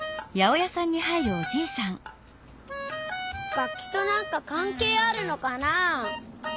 楽きとなんかかんけいあるのかな？